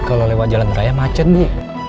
kalau lewat jalan raya macet bu